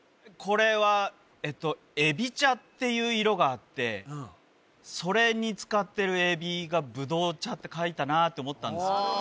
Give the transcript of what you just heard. これはえっと葡萄茶っていう色があってそれに使ってる葡萄が葡萄茶って書いたなって思ったんですよ